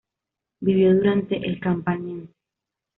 Vivió durante el Campaniense.